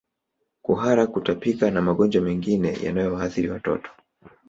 Kuhara kutapika na magonjwa mengine yanayowaathiri watoto